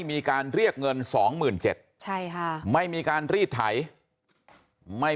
มีการเรียกเงิน๒๗๐๐ใช่ค่ะไม่มีการรีดไถไม่